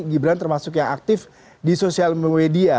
gibran termasuk yang aktif di sosial media